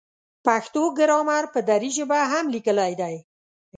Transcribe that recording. پښتو ګرامر په دري ژبه هم لیکلی دی.